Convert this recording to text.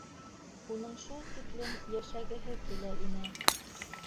Уның шул тиклем йәшәгеһе килә ине!